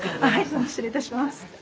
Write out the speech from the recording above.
失礼いたします。